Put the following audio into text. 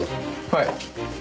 はい。